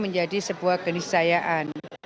menjadi sebuah kenisayaan